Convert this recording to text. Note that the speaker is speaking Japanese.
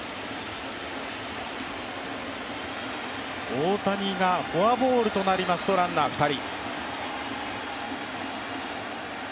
大谷がフォアボールとなりますとランナー２人。